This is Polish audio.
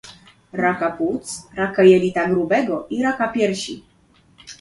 raka płuc, raka jelita grubego i raka piersi